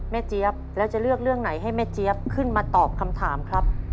เจี๊ยบแล้วจะเลือกเรื่องไหนให้แม่เจี๊ยบขึ้นมาตอบคำถามครับ